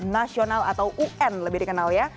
nasional atau un lebih dikenal ya